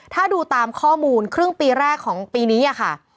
ถ้าดูตามข้อมูลครึ่งปีแรกของปีนี้ค่ะ